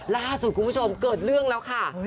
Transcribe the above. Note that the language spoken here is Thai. ล่าสุดคุณผู้ชมเกิดเรื่องแล้วค่ะ